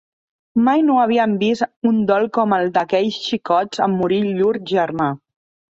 Mai no havíem vist un dol com el d'aquells xicots en morir llur germà.